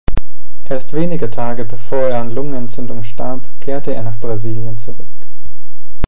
Erst wenige Tage bevor er an Lungenentzündung starb, kehrte er nach Brasilien zurück.